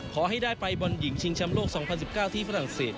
ขอให้ได้ไปบอลหญิงชิงแชมป์โลก๒๐๑๙ที่ฝรั่งเศส